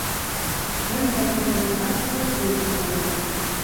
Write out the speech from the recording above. Кем дә кем риза, шул ҡул күтәрә.